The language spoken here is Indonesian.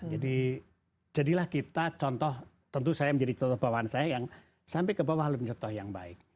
jadi jadilah kita contoh tentu saya menjadi contoh bawaan saya yang sampai ke bawah hal yang contoh yang baik